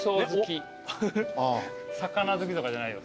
魚好きとかじゃない。